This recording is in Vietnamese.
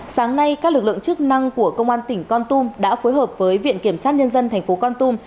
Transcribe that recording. sáng nay các lực lượng chức năng của công an tỉnh con tum đã phối hợp với viện kiểm sát nhân dân thành phố con tum